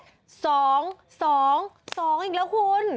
๒อีกแล้วคุณ